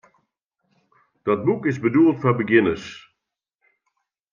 Dat boek is bedoeld foar begjinners.